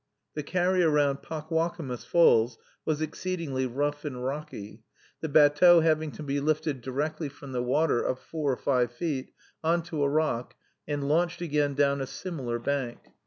The carry around Pockwockomus Falls was exceedingly rough and rocky, the batteau having to be lifted directly from the water up four or five feet on to a rock, and launched again down a similar bank.